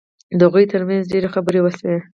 د هغوی ترمنځ ډېرې خبرې وشوې